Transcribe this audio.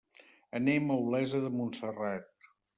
Anem a Olesa de Montserrat.